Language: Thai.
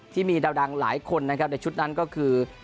ที่มีดาวดังหลายคนนะครับในชุดนั้นก็คือ